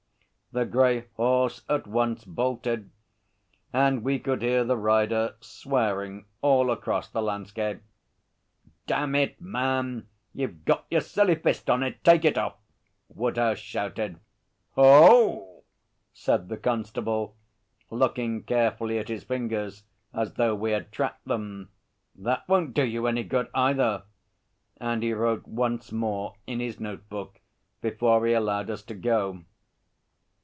The grey horse at once bolted, and we could hear the rider swearing all across the landscape. 'Damn it, man, you've got your silly fist on it! Take it off!' Woodhouse shouted. 'Ho!' said the constable, looking carefully at his fingers as though we had trapped them. 'That won't do you any good either,' and he wrote once more in his note book before he allowed us to go.